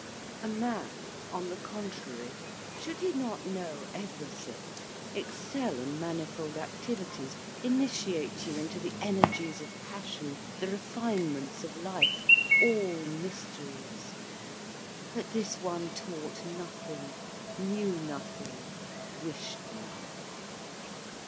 A man, on the contrary, should he not know everything, excel in manifold activities, initiate you into the energies of passion, the refinements of life, all mysteries? But this one taught nothing, knew nothing, wished nothing.